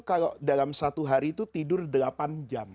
kalau dalam satu hari itu tidur delapan jam